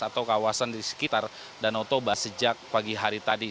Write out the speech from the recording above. atau kawasan di sekitar danau toba sejak pagi hari tadi